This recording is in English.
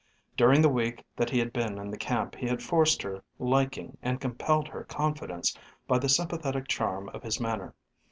During the week that he had been in the camp he had forced her liking and compelled her confidence by the sympathetic charm of his manner.